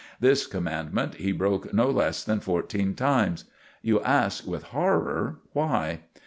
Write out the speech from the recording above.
This commandment he broke no less than fourteen times. You ask with horror why.